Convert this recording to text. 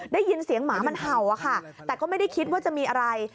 ได้ยินเสียงหมามันเห่าอะค่ะแต่ก็ไม่ได้คิดว่าจะมีอะไร